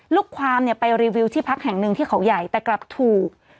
ลูกความเนี่ยไปรีวิวที่พักแห่งหนึ่งที่เขาใหญ่แต่กลับถูก